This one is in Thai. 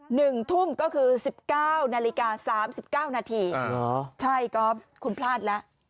หนึ่งทุ่มก็คือสิบเก้านาฬิกาสามสิบเก้านาทีอ๋อเหรอใช่ก๊อฟคุณพลาดแล้ว